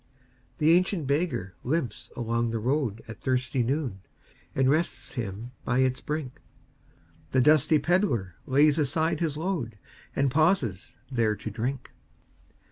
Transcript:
The ancient beggar limps along the roadAt thirsty noon, and rests him by its brink; The dusty pedlar lays aside his load, And pauses there to drink.